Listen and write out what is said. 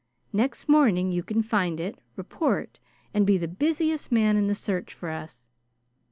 Next morning you can find it, report, and be the busiest man in the search for us.